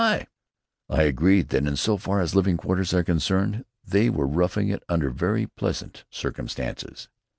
I agreed that in so far as living quarters are concerned, they were roughing it under very pleasant circumstances.